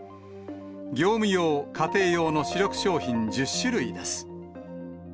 業務用、家庭用の主力商品１０種類です。